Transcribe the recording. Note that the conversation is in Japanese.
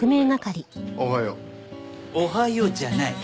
「おはよう」じゃない。